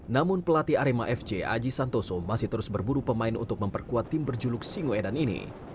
namun pelatih arema fc aji santoso masih terus berburu pemain untuk memperkuat tim berjuluk singoedan ini